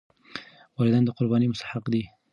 والدین د قربانۍ مستحق دي.